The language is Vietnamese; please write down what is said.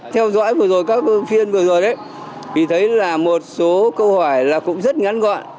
theo dõi vừa rồi các phiên vừa rồi đấy vì thấy là một số câu hỏi là cũng rất ngắn gọn